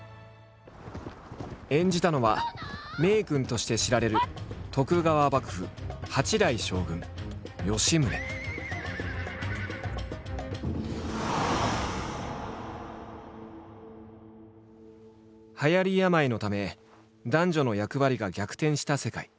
演じたのは名君として知られる徳川幕府はやり病のため男女の役割が逆転した世界。